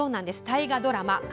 大河ドラマ